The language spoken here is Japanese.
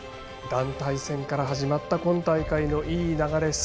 団体戦から始まった今大会のいい流れ